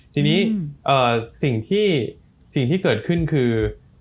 ตรงนี้ที่เกิดขึ้นคือ